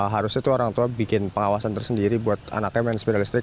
harusnya tuh orang tua bikin pengawasan tersendiri buat anaknya main sepeda listrik